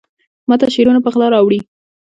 ماته شعرونه په غلا راوړي